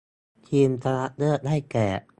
ทีมชนะเลิศได้แก่